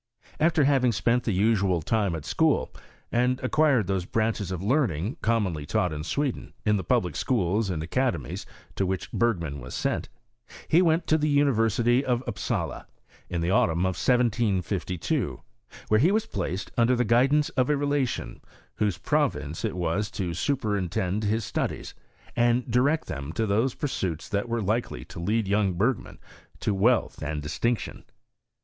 After having spent the usual time at school, and acquired those branches of learning commonly taught in Sweden, in the public schools and academies to which Berg man was sent, he went to the University of Upsala, in the autumn of 1752, where he was placed under the guidance of a relation, whose province it was to superintend his studies, and direct them to those pursuits that were likely to lead young Bergman to wealth and distinction.